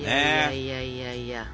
いやいやいや。